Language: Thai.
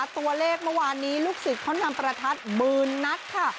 ตัวเลขเมื่อวานนี้ลูกศิษย์เขานำประทัดหมื่นนัดค่ะ